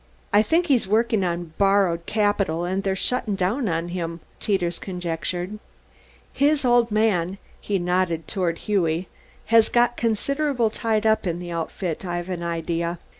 "I think he's workin' on borried capital and they're shuttin' down on him," Teeters conjectured. "His 'Old Man,'" he nodded toward Hughie, "has got consider'ble tied up in the Outfit, I've an idea.